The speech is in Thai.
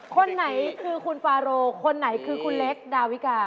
คนไหนคือคุณฟาโรคนไหนคือคุณเล็กดาวิกา